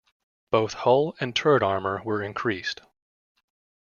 Both hull and turret armor were increased.